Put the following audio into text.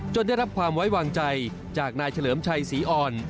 ได้รับความไว้วางใจจากนายเฉลิมชัยศรีอ่อน